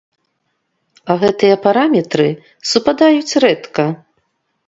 А гэтыя параметры супадаюць рэдка.